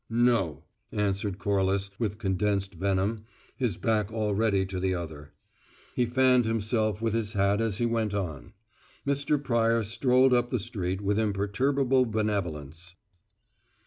"No!" answered Corliss with condensed venom, his back already to the other. He fanned himself with his hat as he went on. Mr. Pryor strolled up the street with imperturbable benevolence.